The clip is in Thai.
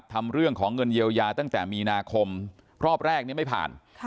ทำเรื่องของเงินเยียวยาตั้งแต่มีนาคมรอบแรกนี้ไม่ผ่าน